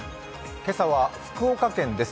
今朝は福岡県です。